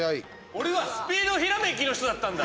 俺はスピードひらめきの人だったんだ。